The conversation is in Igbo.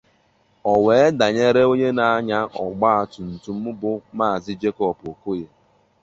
ò wèé dànyere onye na-anya ọgbatumtum bụ Maazị Jacob Okoye